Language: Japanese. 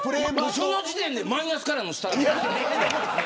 その時点でマイナスからのスタート。